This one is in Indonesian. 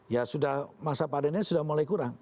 ya sudah masa panennya sudah mulai kurang